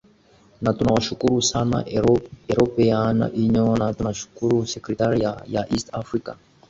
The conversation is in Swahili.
na tunawashukuru sana european union na tunashukuru secretariat ya east afrika